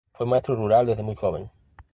Fue maestro rural desde muy joven.